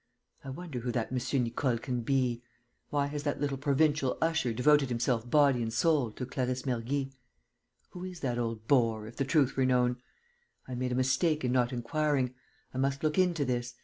'I wonder who that M. Nicole can be? Why has that little provincial usher devoted himself body and soul to Clarisse Mergy? Who is that old bore, if the truth were known? I made a mistake in not inquiring.... I must look into this....